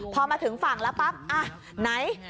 พอมาถึงฝั่งแล้วปั๊บอ่ะไหน